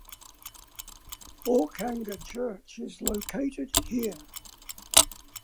Orkanger Church is located here.